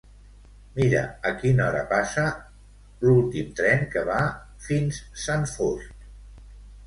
Mira a quina hora passa l'últim tren que va fins Sant Fost.